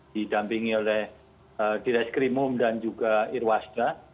didampingi oleh dirai skrimum dan juga irwasda